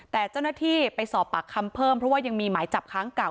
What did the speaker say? แต่เจ้าหน้าที่ไปสอบปากคำเพิ่มเพราะว่ายังมีหมายจับค้างเก่า